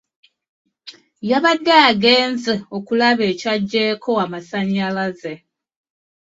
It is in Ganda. Yabadde agenze okulaba ekyaggyeeko amasannyalaze